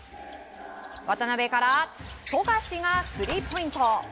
渡邊から富樫がスリーポイント。